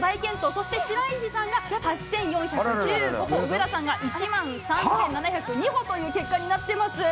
そして白石さんが８４１５歩、上田さんが１万３７０２歩という結果になってます。